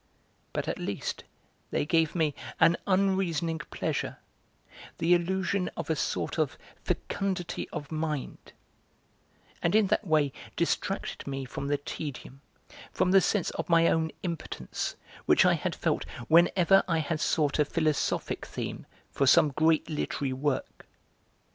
But at least they gave me an unreasoning pleasure, the illusion of a sort of fecundity of mind; and in that way distracted me from the tedium, from the sense of my own impotence which I had felt whenever I had sought a philosophic theme for some great literary work.